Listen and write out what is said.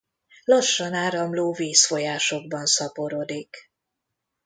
Lassan áramló vízfolyásokban szaporodik.